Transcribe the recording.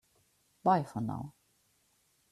Bye for now!